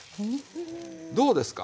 どうですか？